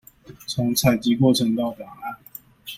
從採集過程到檔案